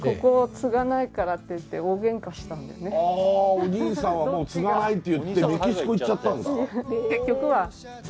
お兄さんはもう継がないって言ってメキシコ行っちゃったんですか？